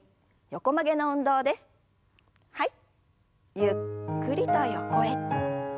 ゆっくりと横へ。